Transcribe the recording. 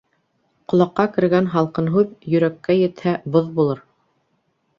Колаҡҡа кергән һалҡын һүҙ, йөрәккә етһә, боҙ булыр